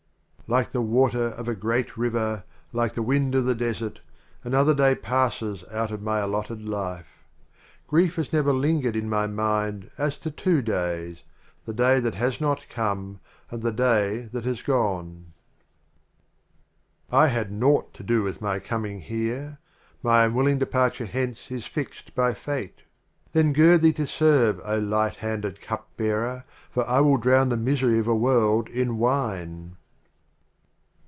XXIX. Like the Water of a Great River, like the Wind of the Desert, Another Day passes out of my Al lotted Life. Grief has never lingered in my mind as to Two Days — The Day That Has Not Come, and the Day That Has Gone. 59 XXX. The Literal j ^j naught to do with my com ing here; My unwilling departure hence is fixed by Fate; Then gird thee to serve, O Light handed Cup Bearer, For I will drown the Misery of a World in Wine!